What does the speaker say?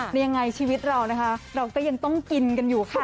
ยังไงชีวิตเรานะคะเราก็ยังต้องกินกันอยู่ค่ะ